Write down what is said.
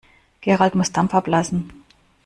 Gerald muss Dampf ablassen.